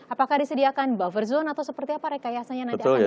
apakah disediakan buffer zone atau seperti apa rekayasanya nanti akan